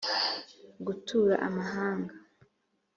gutura amahanga